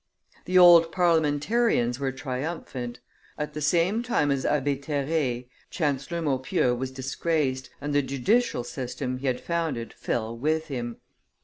The old parliamentarians were triumphant; at the same time as Abbe Terray, Chancellor Maupeou was disgraced, and the judicial system he had founded fell with him.